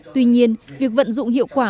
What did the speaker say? tuy nhiên việc vận dụng hiệu quả